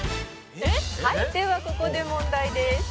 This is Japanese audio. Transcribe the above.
「はいではここで問題です」